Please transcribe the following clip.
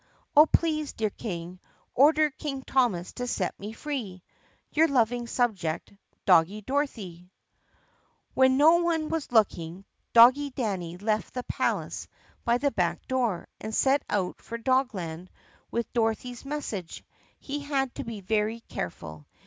Oh, j>lease, dear King, order King Thomas to set me free ! Your loving subject, Doggie Dorothy When no one was looking Doggie Danny left the palace by the back door and set out for Dogland with Dorothy's message. He had to be very careful.